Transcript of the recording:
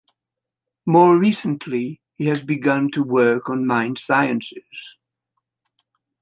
More recently, he has begun to work on mind sciences.